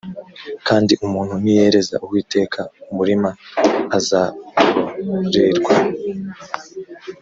kandi umuntu niyereza uwiteka umurima, azagorerwa